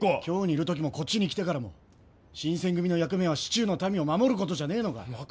京にいる時もこっちに来てからも新選組の役目は市中の民を守る事じゃねえのかよ！